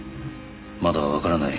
まだわからない。